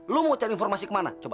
lo mau cari informasi kemana coba